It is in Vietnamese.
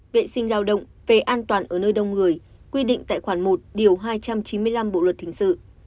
vệ sinh lao động về an toàn ở nơi đông người quy định tại khoản một điều hai trăm chín mươi năm bộ luật hình sự